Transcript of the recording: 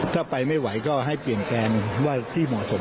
ถ้าไปไม่ไหวก็ให้เปลี่ยนแปลงว่าที่เหมาะสม